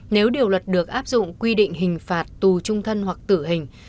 nếu điều luật được áp dụng quy định hình phạt tù trung thân hoặc tử hình